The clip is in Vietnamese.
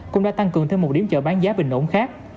cũng đã tăng cường thêm một điểm chợ bán giá bình ổn khác